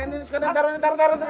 nih nanti taruh nanti taruh